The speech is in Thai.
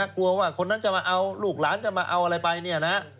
กลัวว่าคนนั้นจะมาเอาลูกหลานจะมาเอาอะไรไปเนี่ยนะ